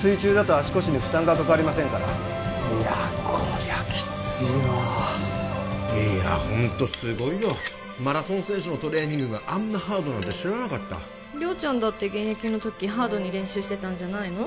水中だと足腰に負担がかかりませんからいやこりゃきついわいやホントすごいよマラソン選手のトレーニングがあんなハードなんて知らなかった亮ちゃんだって現役の時ハードに練習してたんじゃないの？